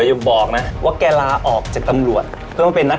ยังจะได้ใจหรือเปล่า